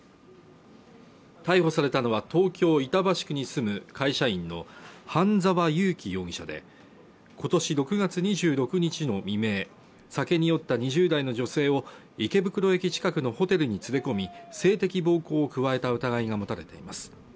逮捕されたのは東京板橋区に住む会社員の半沢悠貴容疑者で今年６月２６日の未明酒に酔った２０代の女性を池袋駅近くのホテルに連れ込み性的暴行を加えた疑いが持たれています